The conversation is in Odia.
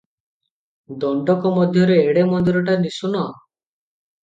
ଦଣ୍ଡକ ମଧ୍ୟରେ ଏଡେ ମନ୍ଦିରଟା ନିଶୂନ ।